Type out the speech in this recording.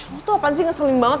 lo tuh apaan sih ngeselin banget